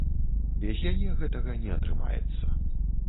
Без яе гэтага не атрымаецца.